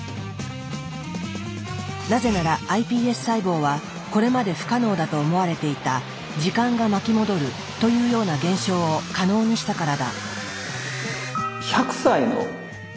なぜならｉＰＳ細胞はこれまで不可能だと思われていた「時間が巻き戻る」というような現象を可能にしたからだ。